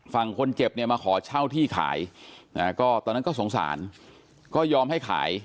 ฝั่งคนเจ็บเนี่ยมาขอเช่าที่ขายก็ตอนนั้นก็สงสารก็ยอมให้ขาย